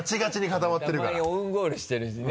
たまにオウンゴールしてるしね。